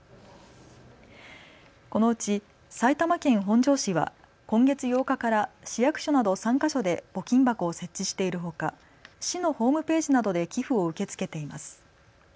このうち埼玉県本庄市は今月８日から市役所など３か所で募金箱を設置しているほか、市のホームページなどで寄付を受け付けています。